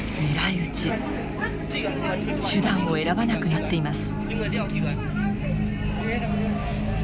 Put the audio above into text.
手段を選ばなくなっています。